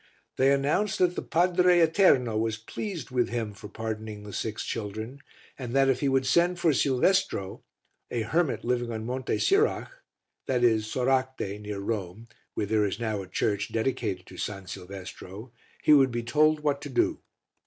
They announced that the Padre Eterno was pleased with him for pardoning the six children, and that if he would send for Silvestro, a hermit living on Monte Sirach (i.e. Soracte, near Rome, where there is now a church dedicated to S. Silvestro), he would be told what to do.